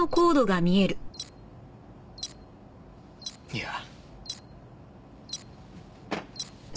いや。